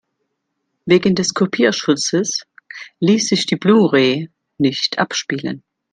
Wegen des Kopierschutzes ließ sich die Blu-ray nicht abspielen.